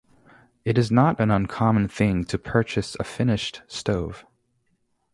It is not an uncommon thing to purchase a finished stove.